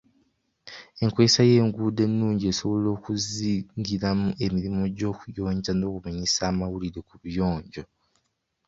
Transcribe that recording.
Enkozesa y'enduudo ennungi esobola okuzingiramu emirimu gy'okuyonja n'okubunyisa amawulire ku buyonjo.